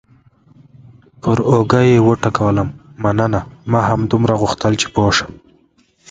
پر اوږه یې وټکولم: مننه، ما همدومره غوښتل چې پوه شم.